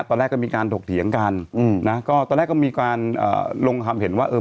ตอนแรกก็มีการถกเถียงกันอืมนะก็ตอนแรกก็มีการเอ่อลงความเห็นว่าเออ